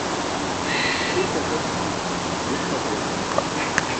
Ćʰurkas epaći buś pʰat aye senaaan.